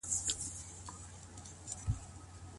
د ستونزو په حلولو کي همکاري څنګه وسي؟